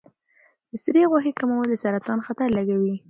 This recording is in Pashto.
د سرې غوښې کمول د سرطان خطر لږوي.